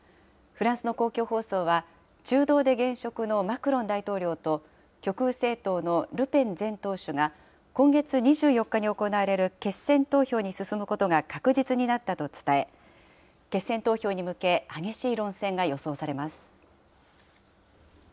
フランスの公共放送は、中道で現職のマクロン大統領と、極右政党のルペン前党首が、今月２４日に行われる決選投票に進むことが確実になったと伝え、決選投票に向け、激しい論戦が予想されます。